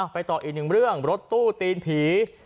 ต่ออีกหนึ่งเรื่องรถตู้ตีนผี